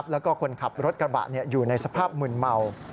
แล้วก็คนขับรถกระบะอยู่ในสภาพมึนเมา